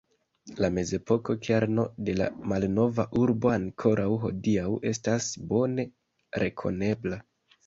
La mezepoko kerno de la malnova urbo ankoraŭ hodiaŭ estas bone rekonebla.